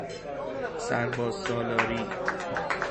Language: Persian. سرباز سالاری